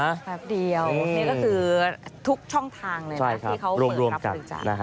นี่ก็คือทุกช่องทางที่เขาเปิดครับ